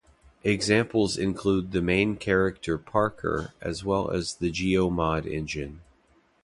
Examples include the main character Parker as well as the GeoMod engine.